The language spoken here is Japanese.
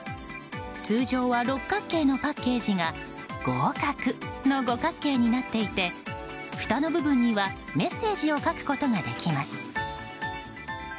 通常は六角形のパッケージが「ごかく」の五角形になっていてふたの部分にはメッセージを書くことができます。